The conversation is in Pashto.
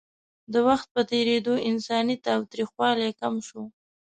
د وخت په تېرېدو انساني تاوتریخوالی کم شو.